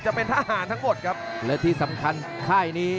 อื้อหือจังหวะขวางแล้วพยายามจะเล่นงานด้วยซอกแต่วงใน